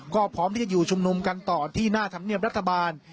ก็พร้อมที่จะอยู่ชุมนุมกันต่อที่หน้าธรรมเนียบรัฐบาล